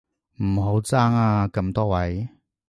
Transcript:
唔好爭啊咁多位